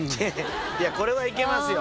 これはいけますよ。